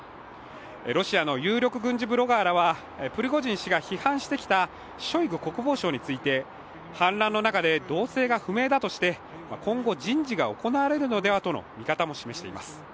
ロシアの有力軍事ブロガーらはプリゴジン氏が批判してきたショイグ国防相について、反乱の中で動静が不明だとして今後、人事が行われるのではとの見方を示しています。